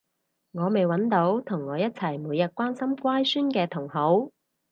我未搵到同我一齊每日關心乖孫嘅同好